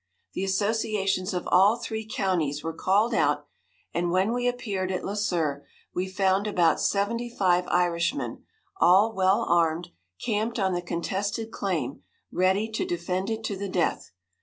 The associations of all three counties were called out, and when we appeared at Le Sueur, we found about seventy five Irishmen, all well armed, camped on the contested claim ready to defend it to the death.